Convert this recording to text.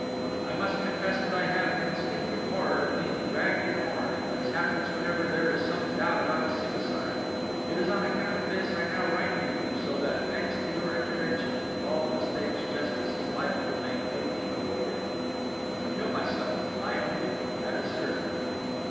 _ _I must confess that I have an instinctive horror of being dragged to the Morgue, as happens whenever there is some doubt about a suicide. It is on account of this I now write to you, so that, thanks to your intervention, all the mistakes justice is liable to make may be avoided._ _I kill myself, I only; that is certain.